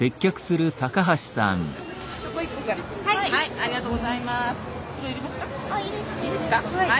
ありがとうございます。